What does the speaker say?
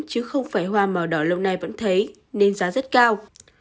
chứ không phải hoa màu đỏ lâu nay vẫn thấy nên giá rất cao